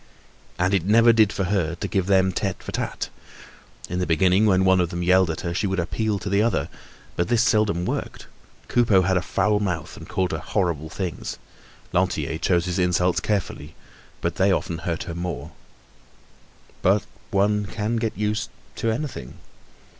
And it never did for her to give them tit for tat. In the beginning, whenever one of them yelled at her, she would appeal to the other, but this seldom worked. Coupeau had a foul mouth and called her horrible things. Lantier chose his insults carefully, but they often hurt her even more. But one can get used to anything.